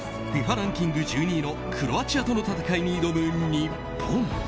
ランキング１２位のクロアチアとの戦いに挑む日本。